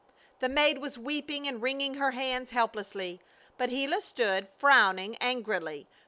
The maid was weeping and wringing her hands helplessly, but Gila stood frowning angrily.